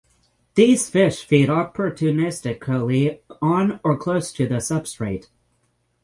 These fish feed opportunistically on or close to the substrate.